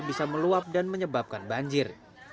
bisa meluap dan menyebabkan banjir